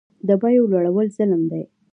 د بیو لوړول ظلم دی